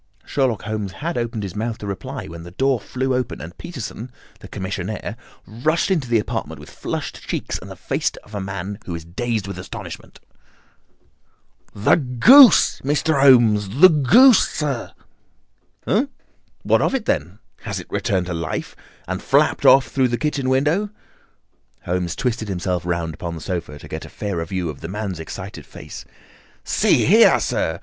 Sherlock Holmes had opened his mouth to reply, when the door flew open, and Peterson, the commissionaire, rushed into the apartment with flushed cheeks and the face of a man who is dazed with astonishment. "The goose, Mr. Holmes! The goose, sir!" he gasped. "Eh? What of it, then? Has it returned to life and flapped off through the kitchen window?" Holmes twisted himself round upon the sofa to get a fairer view of the man's excited face. "See here, sir!